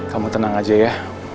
kamu tenang aja ya